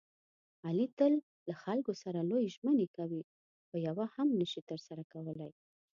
علي تل له خلکو سره لویې ژمنې کوي، خویوه هم نشي ترسره کولی.